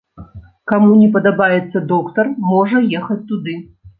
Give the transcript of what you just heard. Каму не падабаецца доктар, можа ехаць туды.